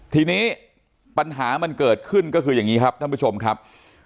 ทีนี้ปัญหามันเกิดขึ้นก็คืออย่างนี้ครับท่านผู้ชมครับ